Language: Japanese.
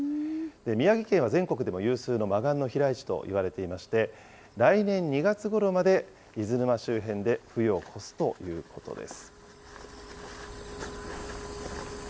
宮城県は全国でも有数のマガンの飛来地といわれていまして、来年２月ごろまで伊豆沼周辺で冬を越すということです。